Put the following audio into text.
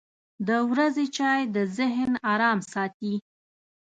• د ورځې چای د ذهن ارام ساتي.